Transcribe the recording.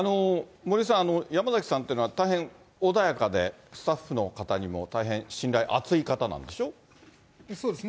森さん、山崎さんっていうのは大変穏やかでスタッフの方にもそうですね。